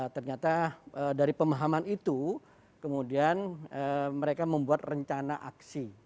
ternyata dari pemahaman itu kemudian mereka membuat rencana aksi